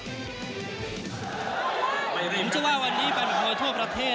ผมจะว่าวันนี้บรรคโทรทั่วประเทศ